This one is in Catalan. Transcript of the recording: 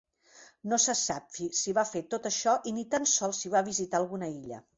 No se sap si va fer tot això i ni tan sols si va visitar alguna illa.